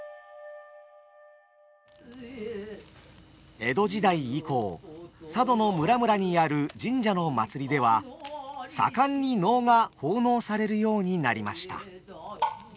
江戸時代以降佐渡の村々にある神社の祭りでは盛んに能が奉納されるようになりました。